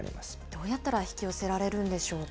どうやったら引き寄せられるんでしょうか？